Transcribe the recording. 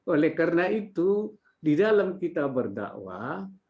oleh karena itu di dalam kita berdakwah